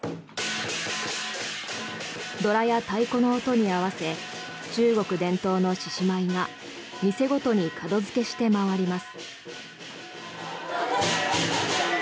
ドラや太鼓の音に合わせ中国伝統の獅子舞が店ごとに門付けして回ります。